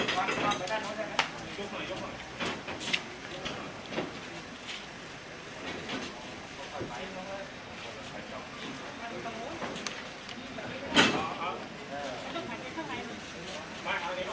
ครับ